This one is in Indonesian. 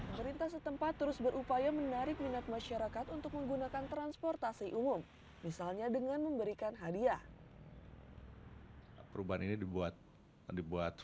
pemerintah setempat terus berupaya menarik minat masyarakat untuk menggunakan transportasi umum misalnya dengan memberikan hadiah